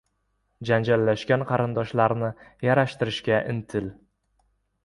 — Janjallashgan qarindoshlarni yarashtirishga intil.